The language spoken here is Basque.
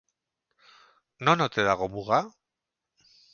Non ote dago muga?